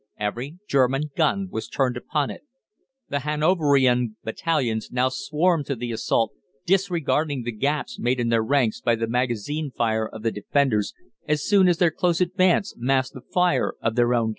Every German gun was turned upon it. The Hanoverian battalions now swarmed to the assault, disregarding the gaps made in their ranks by the magazine fire of the defenders as soon as their close advance masked the fire of their own cannon.